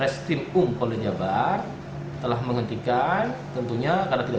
sebelum kita mulai